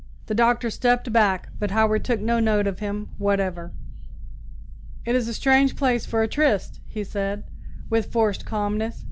The Doctor stepped back, but Howard took no note of him whatever. "It is a strange place for a tryst," he said, with forced calmness.